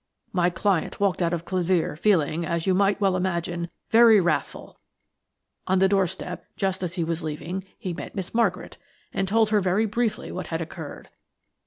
"My client walked out of Clevere feeling, as you may well imagine, very wrathful; on the doorstep, just as he was leaving, he met Miss Margaret, and told her very briefly what had occurred.